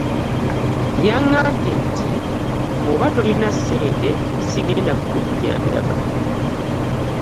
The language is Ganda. Yagamabye nti bwoba tolina sente sigenda kukujanjaba .